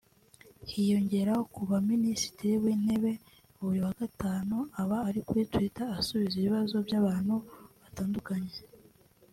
Hiyongeraho kuba Minisitiri w’Intebe buri wa gatanu aba ari kuri Twitter asubiza ibibazo by’abantu batandukanye